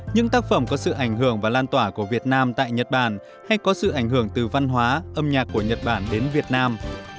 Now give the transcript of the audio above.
những tác phẩm có sự ảnh hưởng và lan tỏa của việt nam tại nhật bản hay có sự ảnh hưởng từ văn hóa âm nhạc của nhật bản đến việt nam